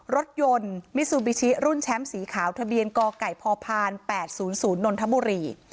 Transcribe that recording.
รถยนต์มิซูบิชิรุ่นแชมป์สีขาวทะเบียนกไก่พอพานแปดศูนย์ศูนย์นนทมุรี